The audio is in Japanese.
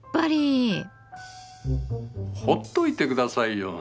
ほっといてくださいよ。